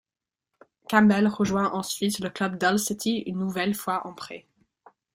Campbell rejoint ensuite le club d'Hull City, une nouvelle fois en prêt.